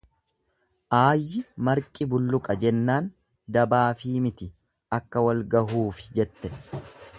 Aayyi marqi bulluqa jennaan dabaafii miti akka wal gahuufi jette.